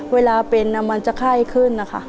เวลาเป็นมันจะไข้ขึ้นนะคะ